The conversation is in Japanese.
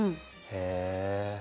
へえ。